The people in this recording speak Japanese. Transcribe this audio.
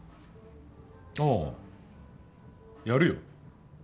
ああやるよ。